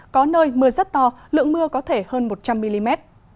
có nơi mưa rất to lượng mưa có thể hơn một trăm linh mm